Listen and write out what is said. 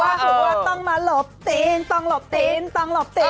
หรือว่าต้องมาหลบตีนต้องหลบตีนต้องหลบตีน